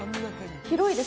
広いです。